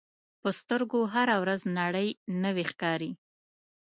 په سترګو هره ورځ نړۍ نوې ښکاري